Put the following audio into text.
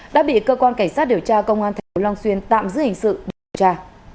đã bị cơ quan cảnh sát điều tra công an thành phố long xuyên tạm giữ hình sự điều tra